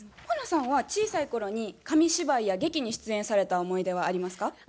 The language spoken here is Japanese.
茉奈さんは小さい頃に紙芝居や劇に出演された思い出はありますか？